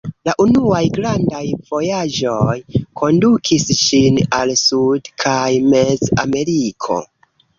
La unuaj grandaj vojaĝoj kondukis ŝin al Sud- kaj Mez-Ameriko.